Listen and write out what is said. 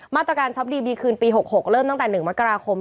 มาตรการช็อปดีมีคืนปี๖๖เริ่มตั้งแต่๑มกราคม